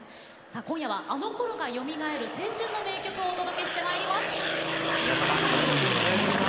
今夜は「あの頃がよみがえる青春の名曲」をお届けしてまいります。